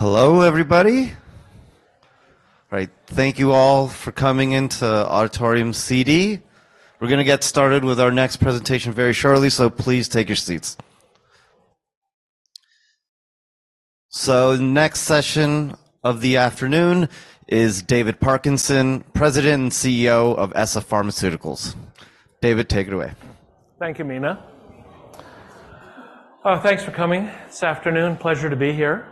Hello everybody. All right, thank you all for coming into Auditorium CD. We're going to get started with our next presentation very shortly, so please take your seats. Next session of the afternoon is David Parkinson, President and CEO of ESSA Pharma. David, take it away. Thank you, Mina. Oh, thanks for coming this afternoon. Pleasure to be here.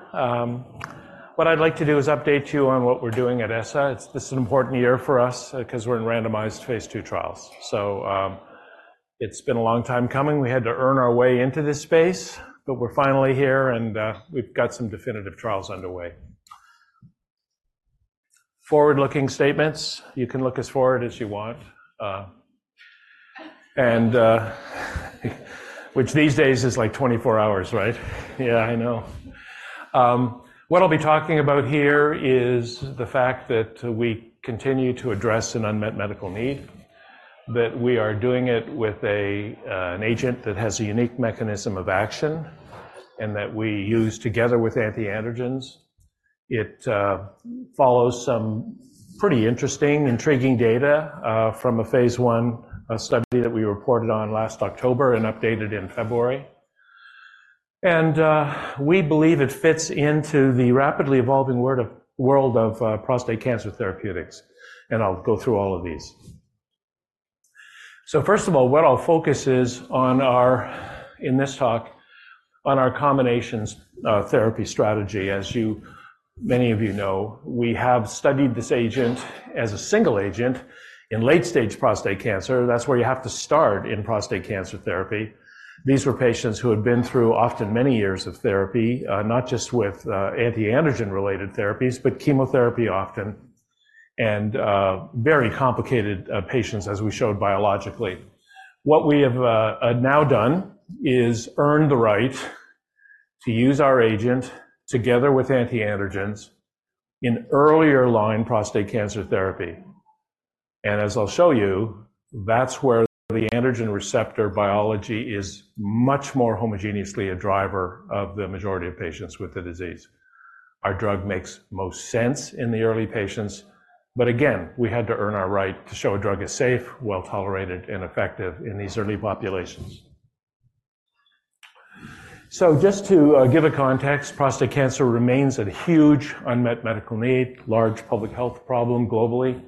What I'd like to do is update you on what we're doing at ESSA. It's, this is an important year for us because we're in randomized phase II trials. So, it's been a long time coming. We had to earn our way into this space, but we're finally here, and, we've got some definitive trials underway. Forward-looking statements. You can look as forward as you want. And, which these days is like 24 hours, right? Yeah, I know. What I'll be talking about here is the fact that we continue to address an unmet medical need, that we are doing it with a, an agent that has a unique mechanism of action, and that we use together with antiandrogens. It follows some pretty interesting, intriguing data from a phase I study that we reported on last October and updated in February. We believe it fits into the rapidly evolving world of prostate cancer therapeutics. I'll go through all of these. So first of all, what I'll focus on in this talk is our combination therapy strategy. As many of you know, we have studied this agent as a single agent in late-stage prostate cancer. That's where you have to start in prostate cancer therapy. These were patients who had been through often many years of therapy, not just with antiandrogen-related therapies, but chemotherapy often, and very complicated patients, as we showed biologically. What we have now done is earned the right to use our agent together with antiandrogens in earlier line prostate cancer therapy. As I'll show you, that's where the androgen receptor biology is much more homogeneously a driver of the majority of patients with the disease. Our drug makes most sense in the early patients. But again, we had to earn our right to show a drug is safe, well-tolerated, and effective in these early populations. Just to give a context, prostate cancer remains a huge unmet medical need, large public health problem globally.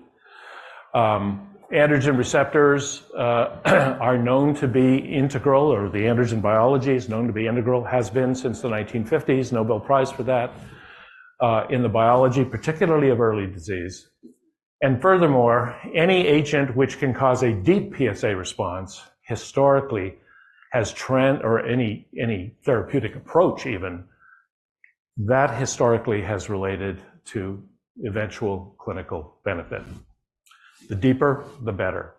Androgen receptors are known to be integral, or the androgen biology is known to be integral, has been since the 1950s, Nobel Prize for that, in the biology, particularly of early disease. Furthermore, any agent which can cause a deep PSA response, historically, has trend—or any—any therapeutic approach even, that historically has related to eventual clinical benefit. The deeper, the better.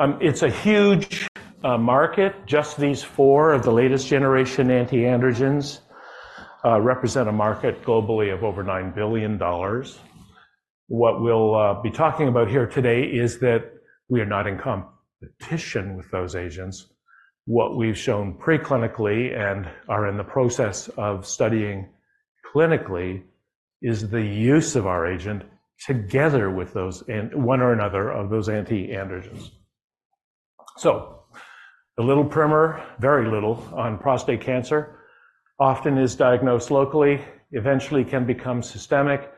It's a huge market. Just these four of the latest generation antiandrogens represent a market globally of over $9 billion. What we'll be talking about here today is that we are not in competition with those agents. What we've shown preclinically and are in the process of studying clinically is the use of our agent together with those and one or another of those antiandrogens. So a little primer, very little, on prostate cancer. Often is diagnosed locally, eventually can become systemic.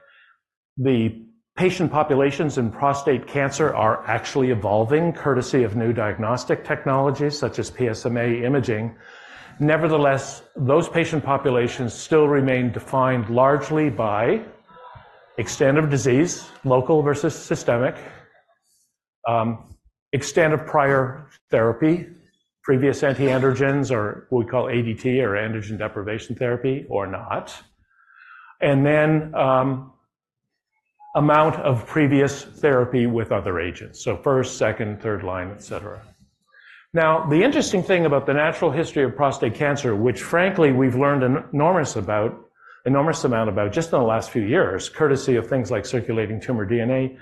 The patient populations in prostate cancer are actually evolving courtesy of new diagnostic technologies such as PSMA imaging. Nevertheless, those patient populations still remain defined largely by extent of disease, local versus systemic, extent of prior therapy, previous antiandrogens, or what we call ADT or androgen deprivation therapy, or not, and then amount of previous therapy with other agents, so first, second, third line, etc. Now, the interesting thing about the natural history of prostate cancer, which frankly we've learned an enormous amount about just in the last few years, courtesy of things like circulating tumor DNA,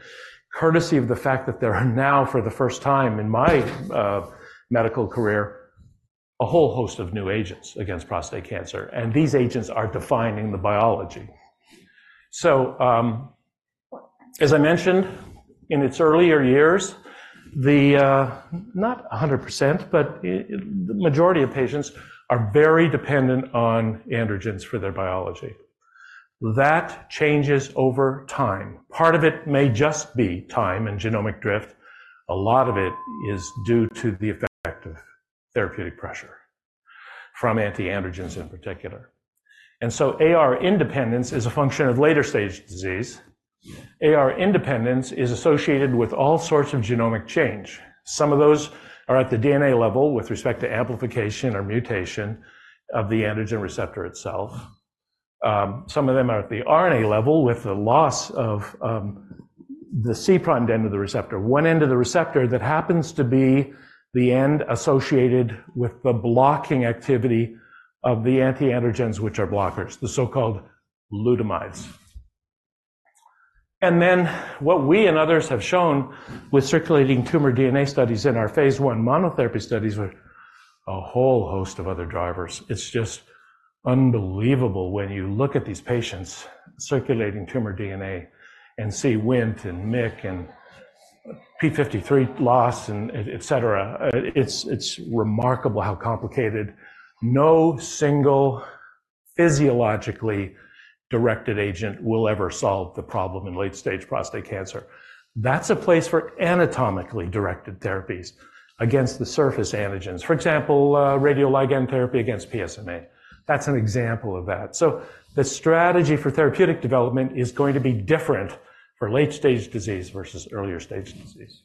courtesy of the fact that there are now, for the first time in my, medical career, a whole host of new agents against prostate cancer, and these agents are defining the biology. So, as I mentioned in its earlier years, the, not 100%, but the majority of patients are very dependent on androgens for their biology. That changes over time. Part of it may just be time and genomic drift. A lot of it is due to the effect of therapeutic pressure from antiandrogens in particular. And so AR independence is a function of later-stage disease. AR independence is associated with all sorts of genomic change. Some of those are at the DNA level with respect to amplification or mutation of the androgen receptor itself. Some of them are at the RNA level with the loss of the C-terminal end of the receptor, one end of the receptor that happens to be the end associated with the blocking activity of the antiandrogens, which are blockers, the so-called lutamides. And then what we and others have shown with circulating tumor DNA studies in our phase I monotherapy studies are a whole host of other drivers. It's just unbelievable when you look at these patients circulating tumor DNA and see Wnt and Myc and p53 loss and etc. It's remarkable how complicated no single physiologically directed agent will ever solve the problem in late-stage prostate cancer. That's a place for anatomically directed therapies against the surface antigens, for example, radioligand therapy against PSMA. That's an example of that. So the strategy for therapeutic development is going to be different for late-stage disease versus earlier-stage disease.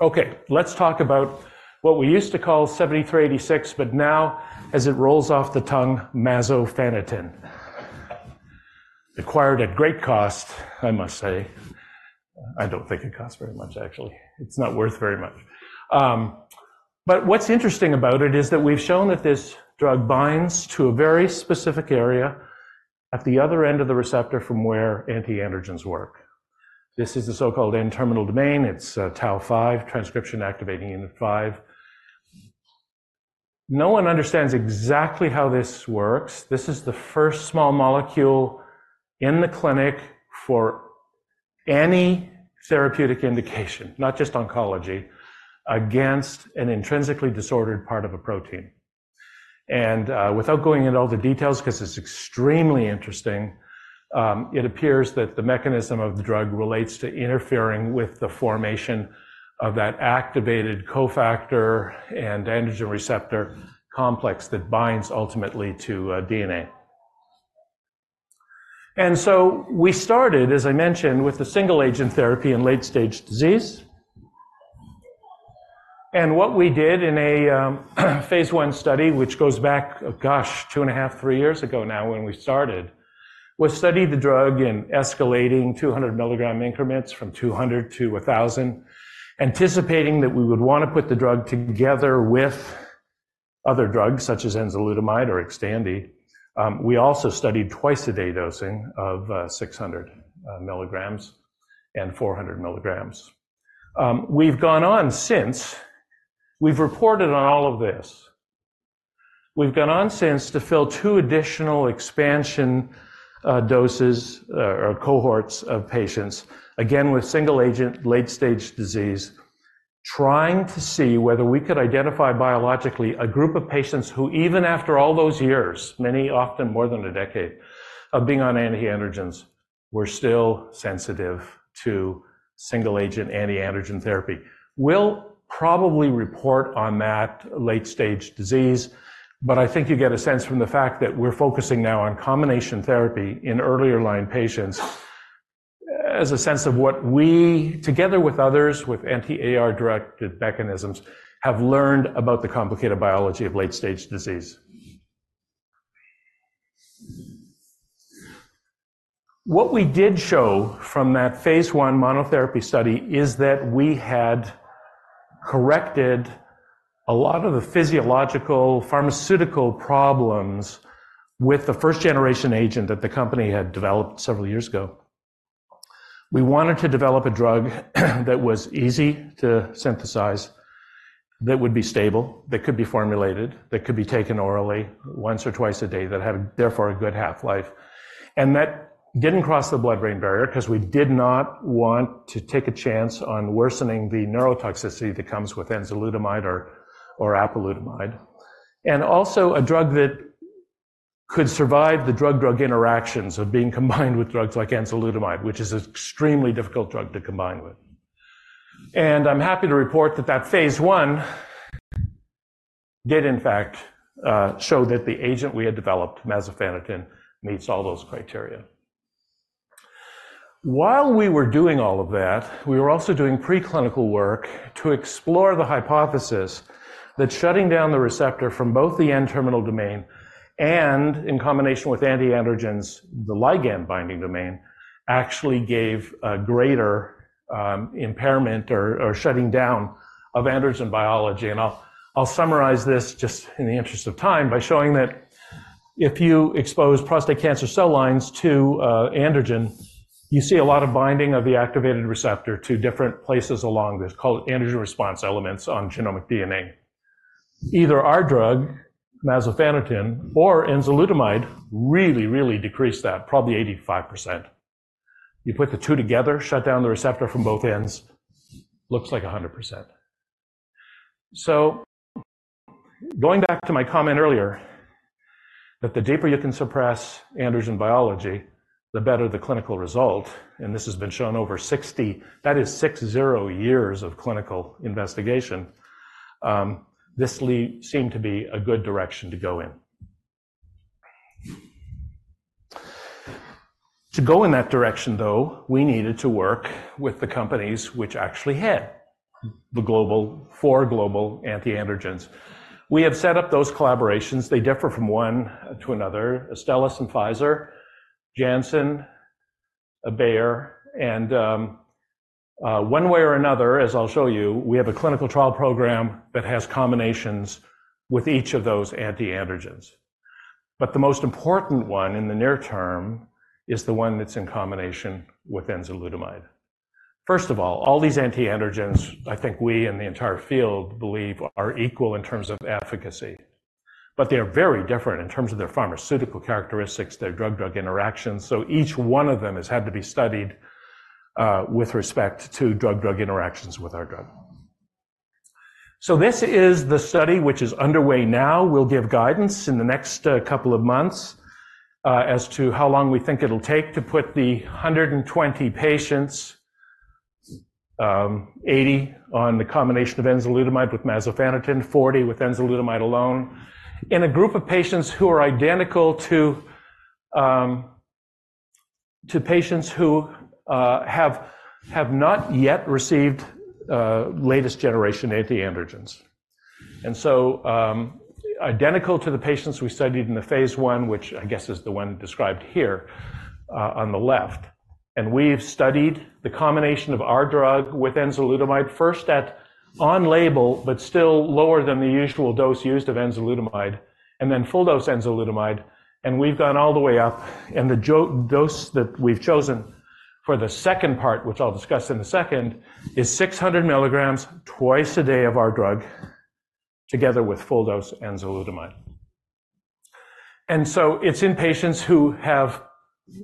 Okay, let's talk about what we used to call 7386, but now, as it rolls off the tongue, masofaniten. Acquired at great cost, I must say. I don't think it costs very much, actually. It's not worth very much. But what's interesting about it is that we've shown that this drug binds to a very specific area at the other end of the receptor from where antiandrogens work. This is the so-called N-terminal domain. It's Tau-5, Transcription Activation Unit 5. No one understands exactly how this works. This is the first small molecule in the clinic for any therapeutic indication, not just oncology, against an intrinsically disordered part of a protein. Without going into all the details, because it's extremely interesting, it appears that the mechanism of the drug relates to interfering with the formation of that activated cofactor and androgen receptor complex that binds ultimately to DNA. So we started, as I mentioned, with the single agent therapy in late-stage disease. And what we did in a phase I study, which goes back, gosh, 2.5, three years ago now when we started, was study the drug in escalating 200 mg increments from 200 to 1,000, anticipating that we would want to put the drug together with other drugs such as enzalutamide or Xtandi. We also studied twice a day dosing of 600 mg and 400 mg. We've gone on since. We've reported on all of this. We've gone on since to fill two additional expansion doses or cohorts of patients, again with single agent late-stage disease, trying to see whether we could identify biologically a group of patients who, even after all those years, many, often more than a decade of being on antiandrogens, were still sensitive to single agent antiandrogen therapy. We'll probably report on that late-stage disease. But I think you get a sense from the fact that we're focusing now on combination therapy in earlier-line patients as a sense of what we, together with others, with anti-AR directed mechanisms, have learned about the complicated biology of late-stage disease. What we did show from that phase I monotherapy study is that we had corrected a lot of the physiological pharmaceutical problems with the first generation agent that the company had developed several years ago. We wanted to develop a drug that was easy to synthesize, that would be stable, that could be formulated, that could be taken orally once or twice a day, that had, therefore, a good half-life, and that didn't cross the blood-brain barrier, because we did not want to take a chance on worsening the neurotoxicity that comes with enzalutamide or apalutamide, and also a drug that could survive the drug-drug interactions of being combined with drugs like enzalutamide, which is an extremely difficult drug to combine with. And I'm happy to report that that phase I did, in fact, show that the agent we had developed, masofaniten, meets all those criteria. While we were doing all of that, we were also doing preclinical work to explore the hypothesis that shutting down the receptor from both the N-terminal domain and, in combination with antiandrogens, the ligand binding domain actually gave a greater impairment or shutting down of androgen biology. And I'll summarize this just in the interest of time by showing that if you expose prostate cancer cell lines to an androgen, you see a lot of binding of the activated receptor to different places along this. Call it androgen response elements on genomic DNA. Either our drug, masofaniten, or enzalutamide really, really decreased that, probably 85%. You put the two together, shut down the receptor from both ends. Looks like 100%. So going back to my comment earlier that the deeper you can suppress androgen biology, the better the clinical result. This has been shown over 60, that is, 60 years of clinical investigation. This seemed to be a good direction to go in. To go in that direction, though, we needed to work with the companies which actually had the global, the global antiandrogens. We have set up those collaborations. They differ from one to another: Astellas and Pfizer, Janssen, Bayer. And one way or another, as I'll show you, we have a clinical trial program that has combinations with each of those antiandrogens. But the most important one in the near term is the one that's in combination with enzalutamide. First of all, all these antiandrogens, I think we, in the entire field, believe are equal in terms of efficacy. But they are very different in terms of their pharmaceutical characteristics, their drug-drug interactions. So each one of them has had to be studied with respect to drug-drug interactions with our drug. This is the study which is underway now. We'll give guidance in the next couple of months as to how long we think it'll take to put the 120 patients, 80 on the combination of enzalutamide with masofaniten, 40 with enzalutamide alone, in a group of patients who are identical to patients who have not yet received latest generation antiandrogens, and so identical to the patients we studied in the phase I, which I guess is the one described here on the left. We've studied the combination of our drug with enzalutamide first at on-label, but still lower than the usual dose used of enzalutamide, and then full dose enzalutamide. We've gone all the way up. The dose that we've chosen for the second part, which I'll discuss in a second, is 600 milligrams twice a day of our drug together with full dose enzalutamide. So it's in patients who have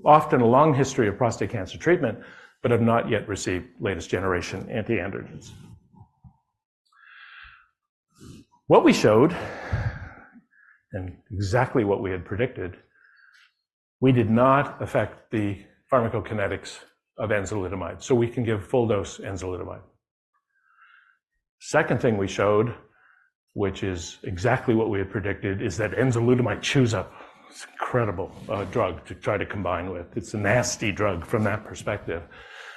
often a long history of prostate cancer treatment, but have not yet received latest generation antiandrogens. What we showed, and exactly what we had predicted, we did not affect the pharmacokinetics of enzalutamide. So we can give full dose enzalutamide. Second thing we showed, which is exactly what we had predicted, is that enzalutamide chews up. It's an incredible drug to try to combine with. It's a nasty drug from that perspective.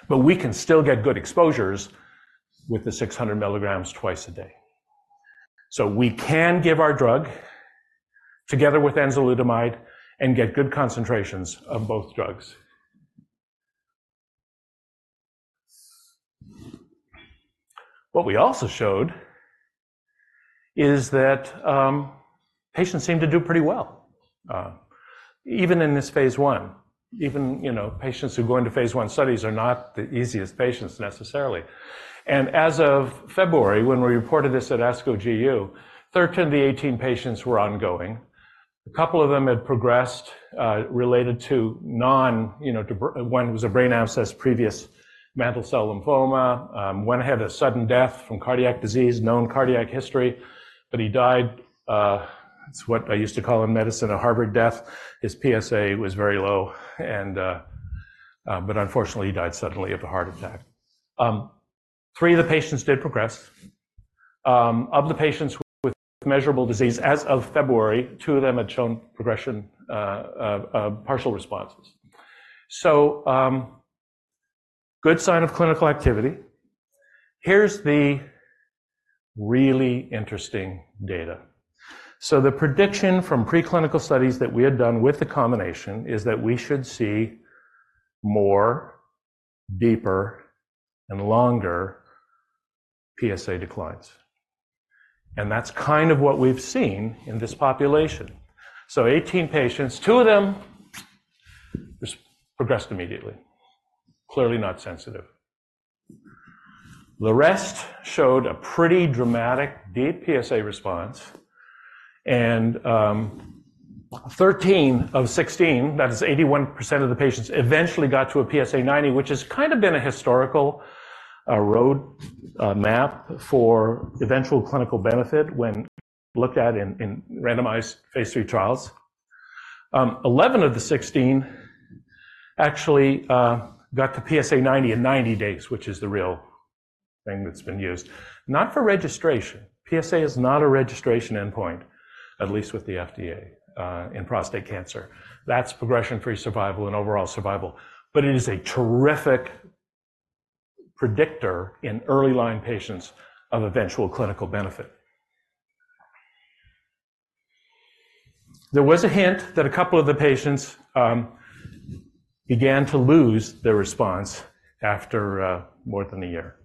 But we can still get good exposures with the 600 mg twice a day. So we can give our drug together with enzalutamide and get good concentrations of both drugs. What we also showed is that patients seem to do pretty well, even in this phase I. Even patients who go into phase I studies are not the easiest patients, necessarily. And as of February, when we reported this at ASCO GU, 13 of the 18 patients were ongoing. A couple of them had progressed related to non, you know, one was a brain abscess, previous mantle cell lymphoma. One had a sudden death from cardiac disease, known cardiac history, but he died. It's what I used to call in medicine a Harvard death. His PSA was very low. But unfortunately, he died suddenly of a heart attack. Three of the patients did progress. Of the patients with measurable disease as of February, two of them had shown progression. Partial responses. So good sign of clinical activity. Here's the really interesting data. So the prediction from preclinical studies that we had done with the combination is that we should see more, deeper, and longer PSA declines. And that's kind of what we've seen in this population. So 18 patients, two of them just progressed immediately, clearly not sensitive. The rest showed a pretty dramatic deep PSA response. And 13 of 16, that is, 81% of the patients eventually got to a PSA 90, which has kind of been a historical roadmap for eventual clinical benefit when looked at in randomized phase III trials. 11 of the 16 actually got to PSA 90 in 90 days, which is the real thing that's been used, not for registration. PSA is not a registration endpoint, at least with the FDA in prostate cancer. That's progression-free survival and overall survival. But it is a terrific predictor in early-line patients of eventual clinical benefit. There was a hint that a couple of the patients began to lose their response after more than a year.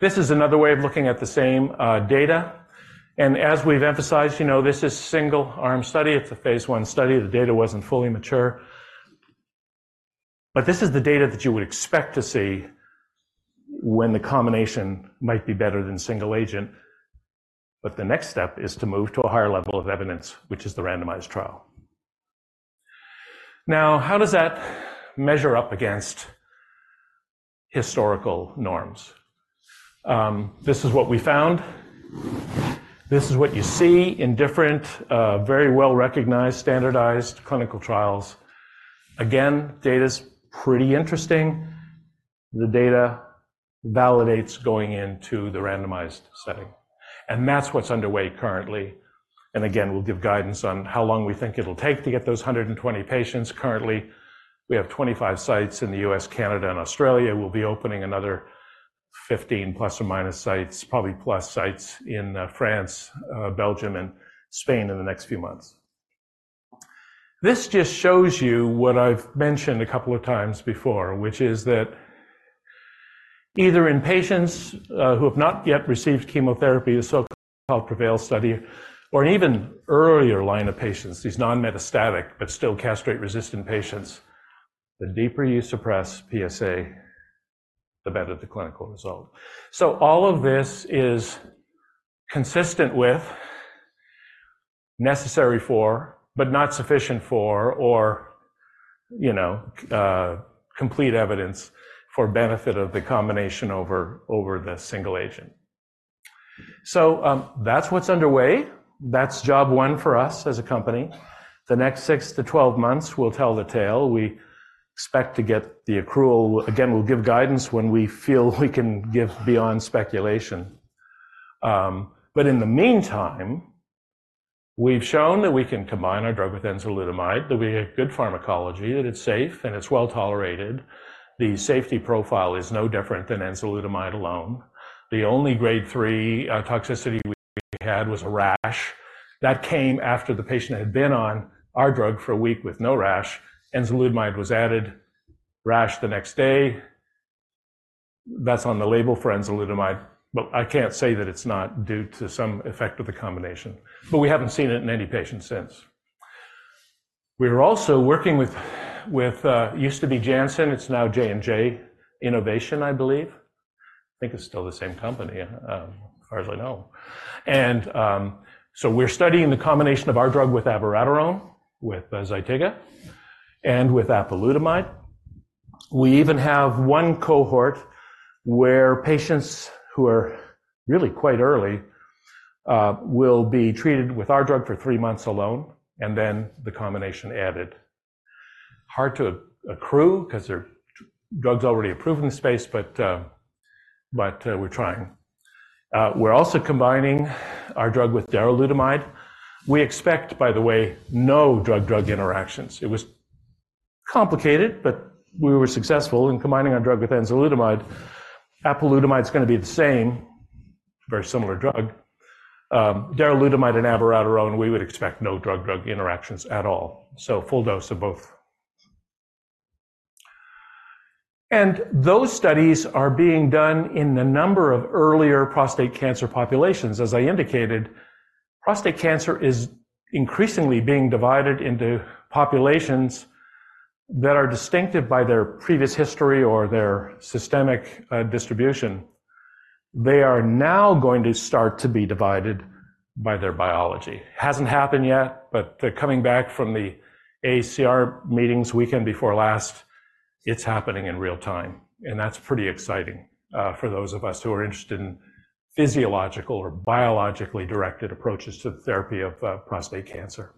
This is another way of looking at the same data. As we've emphasized, you know, this is a single-arm study. It's a phase I study. The data wasn't fully mature. This is the data that you would expect to see when the combination might be better than single agent. The next step is to move to a higher level of evidence, which is the randomized trial. Now, how does that measure up against historical norms? This is what we found. This is what you see in different, very well-recognized, standardized clinical trials. Again, data is pretty interesting. The data validates going into the randomized setting. That's what's underway currently. Again, we'll give guidance on how long we think it'll take to get those 120 patients. Currently, we have 25 sites in the U.S., Canada, and Australia. We'll be opening another 15 ± sites, probably plus sites in France, Belgium, and Spain in the next few months. This just shows you what I've mentioned a couple of times before, which is that either in patients who have not yet received chemotherapy, the so-called PREVAIL study, or even earlier line of patients, these non-metastatic, but still castrate-resistant patients, the deeper you suppress PSA, the better the clinical result. So all of this is consistent with necessary for, but not sufficient for, or, you know, complete evidence for benefit of the combination over the single agent. So that's what's underway. That's job one for us as a company. The next six to 12 months will tell the tale. We expect to get the accrual. Again, we'll give guidance when we feel we can give beyond speculation. But in the meantime, we've shown that we can combine our drug with enzalutamide, that we have good pharmacology, that it's safe, and it's well tolerated. The safety profile is no different than enzalutamide alone. The only Grade 3 toxicity we had was a rash that came after the patient had been on our drug for a week with no rash. Enzalutamide was added. Rash the next day. That's on the label for enzalutamide. But I can't say that it's not due to some effect of the combination. But we haven't seen it in any patients since. We are also working with used to be Janssen. It's now J&J Innovation, I believe. I think it's still the same company, as far as I know. And so we're studying the combination of our drug with abiraterone, with Zytiga, and with apalutamide. We even have one cohort where patients who are really quite early will be treated with our drug for three months alone, and then the combination added. Hard to accrue because there are drugs already approved in the space. But we're trying. We're also combining our drug with darolutamide. We expect, by the way, no drug-drug interactions. It was complicated, but we were successful in combining our drug with enzalutamide. Apalutamide is going to be the same, very similar drug. Darolutamide and abiraterone, we would expect no drug-drug interactions at all. So full dose of both. And those studies are being done in a number of earlier prostate cancer populations. As I indicated, prostate cancer is increasingly being divided into populations that are distinctive by their previous history or their systemic distribution. They are now going to start to be divided by their biology. Hasn't happened yet. But they're coming back from the AACR meetings weekend before last. It's happening in real time. And that's pretty exciting for those of us who are interested in physiological or biologically directed approaches to the therapy of prostate cancer.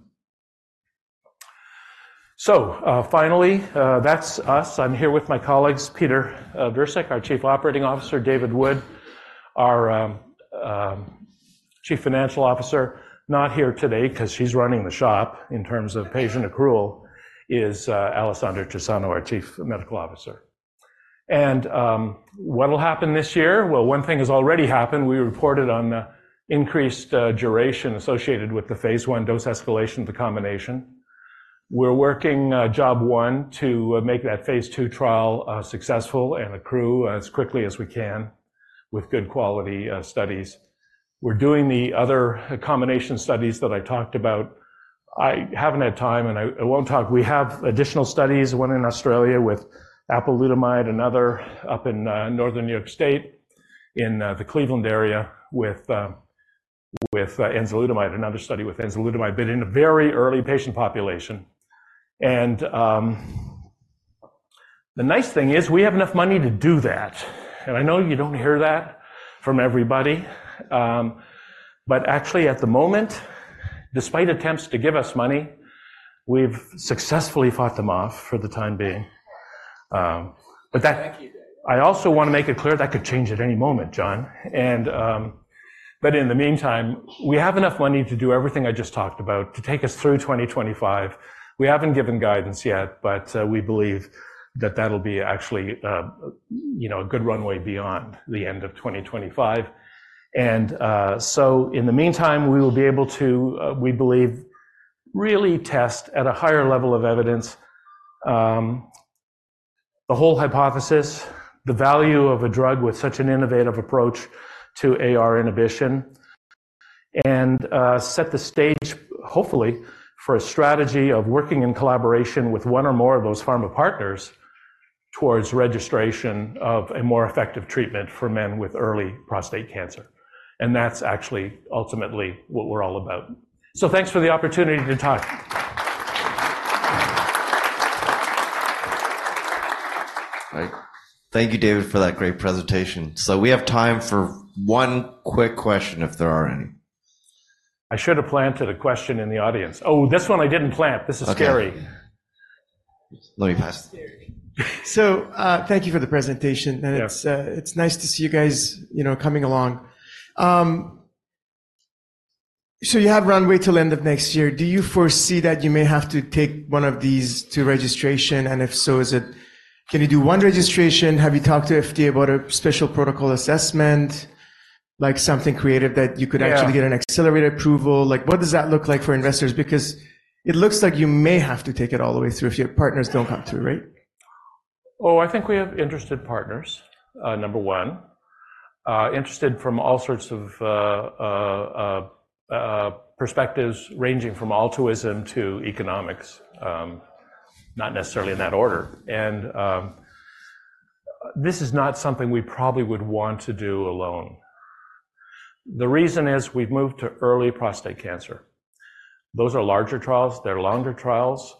So finally, that's us. I'm here with my colleagues, Peter Virsik, our Chief Operating Officer, David Wood, our Chief Financial Officer. Not here today, because she's running the shop in terms of patient accrual, is Alessandra Cesano, our Chief Medical Officer. And what will happen this year? Well, one thing has already happened. We reported on the increased duration associated with the phase I dose escalation of the combination. We're working job one to make that phase II trial successful and accrue as quickly as we can with good quality studies. We're doing the other combination studies that I talked about. I haven't had time, and I won't talk. We have additional studies, one in Australia with apalutamide, another up in northern New York State in the Cleveland area with enzalutamide, another study with enzalutamide, but in a very early patient population. The nice thing is we have enough money to do that. I know you don't hear that from everybody. Actually, at the moment, despite attempts to give us money, we've successfully fought them off for the time being. I also want to make it clear that could change at any moment, John. In the meantime, we have enough money to do everything I just talked about to take us through 2025. We haven't given guidance yet, but we believe that that'll be actually a good runway beyond the end of 2025. And so in the meantime, we will be able to, we believe, really test at a higher level of evidence the whole hypothesis, the value of a drug with such an innovative approach to AR inhibition, and set the stage, hopefully, for a strategy of working in collaboration with one or more of those pharma partners towards registration of a more effective treatment for men with early prostate cancer. And that's actually ultimately what we're all about. So thanks for the opportunity to talk. Thank you, David, for that great presentation. So we have time for one quick question, if there are any. I should have planted a question in the audience. Oh, this one I didn't plant. This is scary. Let me pass. So thank you for the presentation. And it's nice to see you guys coming along. So you have runway till end of next year. Do you foresee that you may have to take one of these to registration? And if so, can you do one registration? Have you talked to FDA about a special protocol assessment, like something creative that you could actually get an accelerated approval? What does that look like for investors? Because it looks like you may have to take it all the way through if your partners don't come through, right? Oh, I think we have interested partners, number one, interested from all sorts of perspectives, ranging from altruism to economics, not necessarily in that order. And this is not something we probably would want to do alone. The reason is we've moved to early prostate cancer. Those are larger trials. They're longer trials.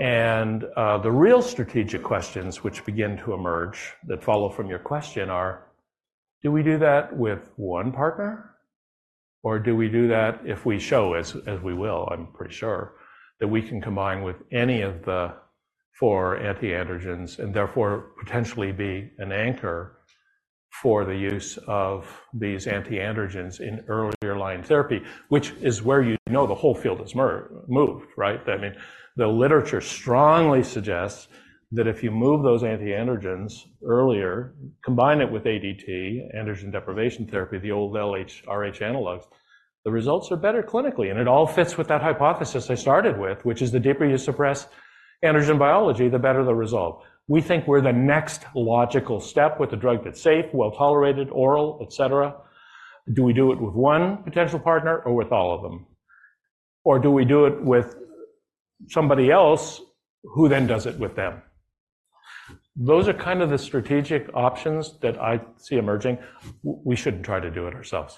And the real strategic questions which begin to emerge that follow from your question are, do we do that with one partner, or do we do that if we show, as we will, I'm pretty sure, that we can combine with any of the 4 antiandrogens and therefore potentially be an anchor for the use of these antiandrogens in earlier line therapy, which is where you know the whole field has moved, right? I mean, the literature strongly suggests that if you move those antiandrogens earlier, combine it with ADT, androgen deprivation therapy, the old LHRH analogs, the results are better clinically. And it all fits with that hypothesis I started with, which is the deeper you suppress androgen biology, the better the result. We think we're the next logical step with a drug that's safe, well tolerated, oral, etc. Do we do it with one potential partner or with all of them? Or do we do it with somebody else who then does it with them? Those are kind of the strategic options that I see emerging. We shouldn't try to do it ourselves.